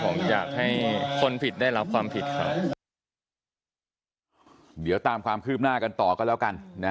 ยังอยากให้เกิดความวิวทำกับเพื่อนมากกว่านี้ในลุกตอนนี้